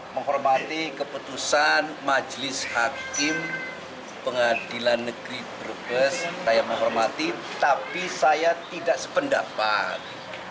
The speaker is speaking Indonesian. menghormati keputusan majelis hakim pengadilan negeri brebes saya menghormati tapi saya tidak sependapat